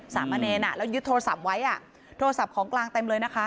สามเณรแล้วยึดโทรศัพท์ไว้อ่ะโทรศัพท์ของกลางเต็มเลยนะคะ